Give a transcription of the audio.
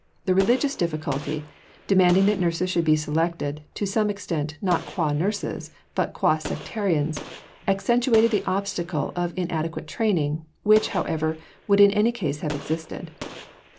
The religious difficulty demanding that nurses should be selected, to some extent, not qua nurses, but qua sectarians accentuated the obstacle of inadequate training, which, however, would in any case have existed.